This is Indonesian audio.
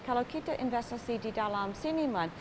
kalau kita investasi di dalam siniman